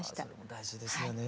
大事ですよね。